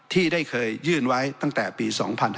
ที่ได้เคยยื่นไว้ตั้งแต่ปี๒๕๕๙